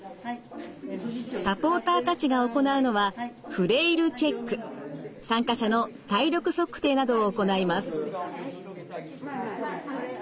サポーターたちが行うのは参加者の体力測定などを行います。